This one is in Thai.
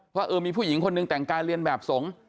ว่าเออมีผู้หญิงคนหนึ่งแต่งกายเรียนแบบสงฆ์